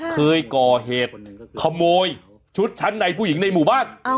เคยก่อเหตุขโมยชุดชั้นในผู้หญิงในหมู่บ้าน